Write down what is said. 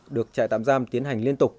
được trại tạm giam tiến hành liên tục